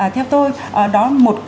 theo tôi đó là một